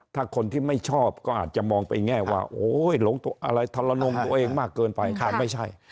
ถ้าคนที่ไม่ชอบก็อาจจะมองไปแง่ว่าโอ้ยหลงอะไรทรนงตัวเองมากเกินไปแต่ไม่ใช่